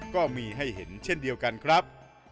ก็มีให้เห็นเช่นเดียวกันครับ